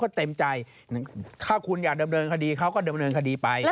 ก็เต็มใจถ้าคุณอยากดำเนินคดีเขาก็ดำเนินคดีไป